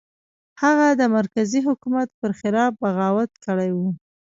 هغه د مرکزي حکومت پر خلاف بغاوت کړی و.